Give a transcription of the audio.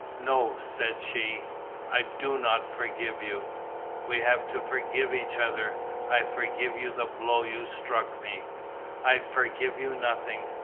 "No," said she, "I do not forgive you." "We have to forgive each other. I forgive you the blow you struck me." "I forgive you nothing.